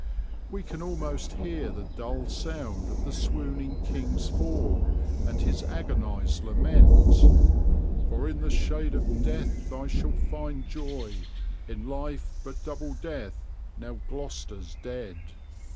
We can almost hear the dull sound of the swooning King's fall, and his agonized lament: For in the shade of death I shall find joy; In life but double death now Gloucester's dead.